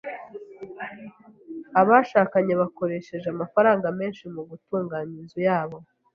Abashakanye bakoresheje amafaranga menshi mu gutunganya inzu yabo.